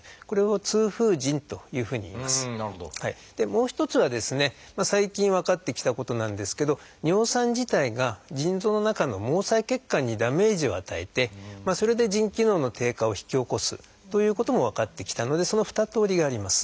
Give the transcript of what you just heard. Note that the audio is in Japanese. もう一つはですね最近分かってきたことなんですけど尿酸自体が腎臓の中の毛細血管にダメージを与えてそれで腎機能の低下を引き起こすということも分かってきたのでその二通りがあります。